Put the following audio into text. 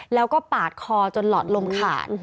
แล้วก็ปาดคอจนหลอดลมขาด